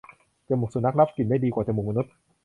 จมูกสุนัขรับกลิ่นได้ดีกว่าจมูกมนุษย์